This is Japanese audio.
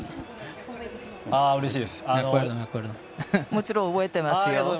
もちろん覚えてますよ。